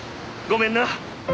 ごめんな。